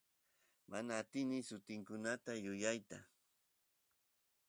mana atini sutikuta yuyayta